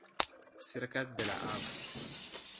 Cerca de la av.